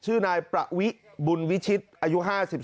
ชื่อนายประวิบุญวิชิตอายุ๕๓